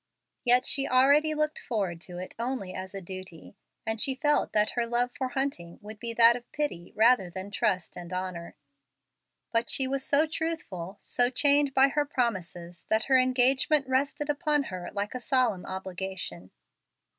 Yet she already looked forward to it only as a duty, and she felt that her love for Hunting would be that of pity rather than trust and honor. But she was so truthful so chained by her promises that her engagement rested upon her like a solemn obligation.